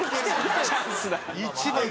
チャンスだ。